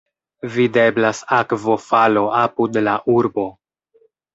Videblas akvofalo apud la urbo.